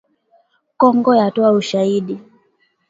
Kongo yatoa ushahidi